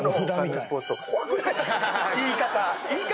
言い方。